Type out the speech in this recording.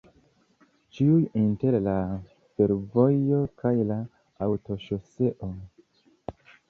Ĉiuj inter la fervojo kaj la aŭtoŝoseo.